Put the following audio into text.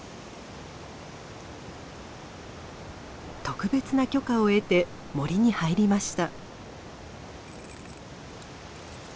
特別な許可を得て森に入りました。